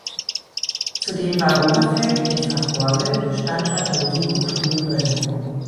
Zudem war Wupperfeld in Fach Orgel Standort der Musikhochschule Köln.